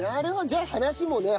じゃあ話もね